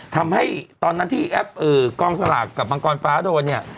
ทำให้ตอนนั้นที่แอปกองสลากกับมังกรฟ้าโดนเนี่ย